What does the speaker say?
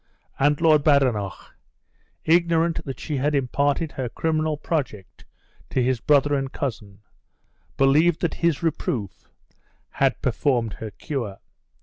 And Lord Badenoch, ignorant that she had imparted her criminal project to his brother and cousin, believed that his reproof had performed her cure.